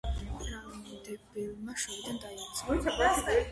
ბრალმდებელმა შორიდან დაიწყო.